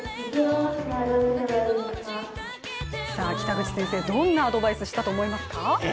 北口先生、どんなアドバイスをしたと思いますか？